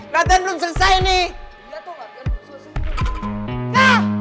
latihan belum selesai nih